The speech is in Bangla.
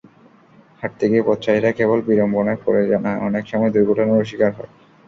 হাঁটতে গিয়ে পথচারীরা কেবল বিড়ম্বনায়ই পড়ে না, অনেক সময় দুর্ঘটনারও শিকার হয়।